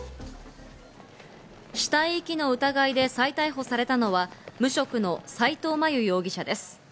死体遺棄の疑いで再逮捕されたのは無職の斎藤真悠容疑者です。